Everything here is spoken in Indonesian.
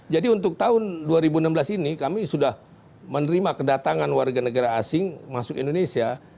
jadi untuk tahun dua ribu enam belas ini kami sudah menerima kedatangan warga negara asing masuk indonesia